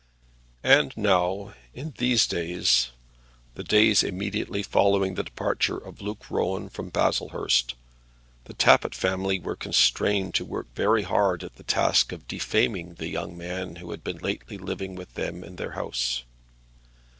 And now, in these days, the days immediately following the departure of Luke Rowan from Baslehurst, the Tappitt family were constrained to work very hard at the task of defaming the young man who had lately been living with them in their house.